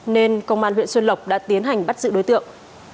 nên công an huyện xuân lộc đã tiến hành bắt giữ đối tượng